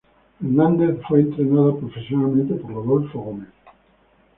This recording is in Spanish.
Fernández fue entrenada profesionalmente por Rodolfo Gómez.